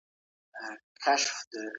ایا تکړه پلورونکي وچ انار پروسس کوي؟